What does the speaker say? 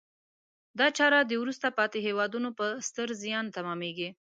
دا چاره د وروسته پاتې هېوادونو په ستر زیان تمامیږي.